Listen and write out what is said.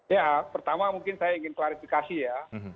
ya pertama mungkin saya ingin klarifikasi ya